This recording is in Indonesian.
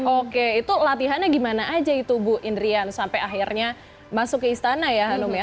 oke itu latihannya gimana aja itu bu indrian sampai akhirnya masuk ke istana ya hanum ya